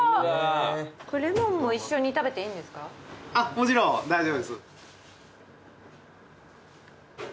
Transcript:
もちろん大丈夫です。